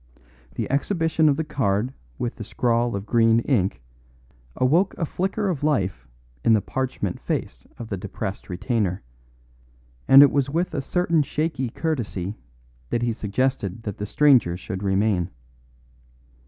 The exhibition of the card with the scrawl of green ink awoke a flicker of life in the parchment face of the depressed retainer, and it was with a certain shaky courtesy that he suggested that the strangers should remain.